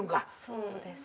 そうです。